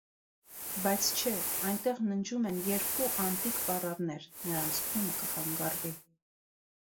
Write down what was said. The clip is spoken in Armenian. Բայց չէ՛, այնտեղ ննջում են երկու անտիկ պառավներ, նրանց քունը կխանգարվի: